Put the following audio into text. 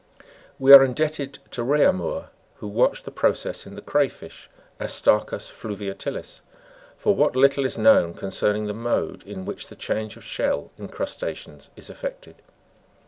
" We are ind< bted to Reaumur, who watched the process in the cray fish (Astacusfluviatilis}, for what little is known concerning the mode in which the change of shell (in crustaceans) is effected.